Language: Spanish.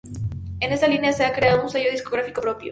En esta línea se ha creado un sello discográfico propio.